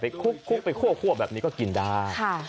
ไปคุกไปควบแบบนี้ก็กินได้